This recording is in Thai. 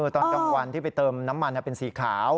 ตอนกลางวันที่ไปเติมน้ำมันเป็นสีขาว